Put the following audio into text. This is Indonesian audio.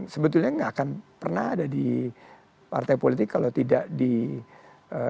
sebenarnya gak akan pernah ada di partai politik kalau tidak dimaslitkan